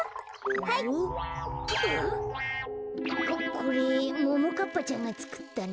これももかっぱちゃんがつくったの？